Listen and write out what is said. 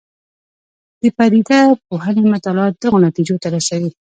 د پدیده پوهنې مطالعات دغو نتیجو ته رسوي.